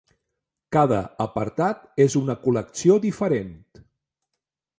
Cada apartat és una col·lecció diferent.